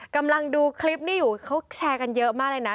กำลังดูคลิปนี้อยู่เขาแชร์กันเยอะมากเลยนะ